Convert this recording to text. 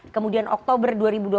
kemudian oktober dua ribu dua puluh